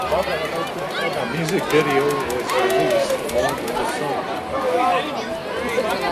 A music video was released along with the song.